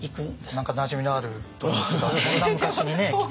何かなじみのある動物がそんな昔にね来ていたとは。